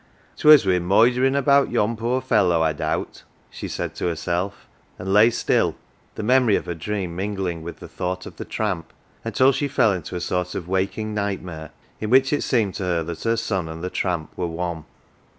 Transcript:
" Twas wi' moiderin 1 about yon poor fellow, I doubt," she said to herself, and lay still, the memory of her dream mingling with the thought of the tramp, until she fell into a sort of waking nightmare, in which it seemed to her that her son and the tramp were one.